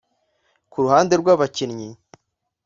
Ku ruhande rw’abakinnyi